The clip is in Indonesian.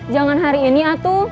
jangan hari ini atu